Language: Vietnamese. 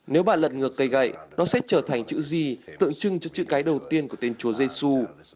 nếu bạn lật ngược cây gậy nó sẽ trở thành chữ gì tượng trưng cho chữ cái đầu tiên của tên chúa giê xu